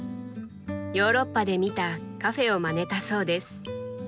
ヨーロッパで見たカフェをまねたそうです。